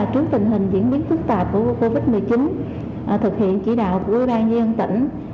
trước tình hình diễn biến phức tạp của covid một mươi chín thực hiện chỉ đạo của quốc gia dân tỉnh